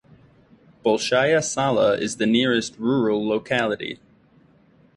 Bolshaya Sala is the nearest rural locality.